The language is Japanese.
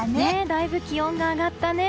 だいぶ気温が上がったね。